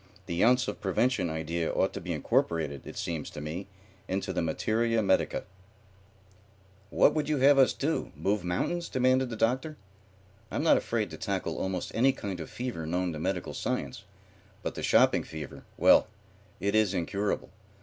The ounce of prevention idea ought to be incorporated, it seems to me, into the materia medica." "What would you have us do, move mountains?" demanded the Doctor. "I'm not afraid to tackle almost any kind of fever known to medical science, but the shopping fever well, it is incurable.